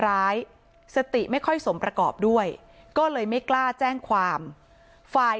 ร้ายสติไม่ค่อยสมประกอบด้วยก็เลยไม่กล้าแจ้งความฝ่าย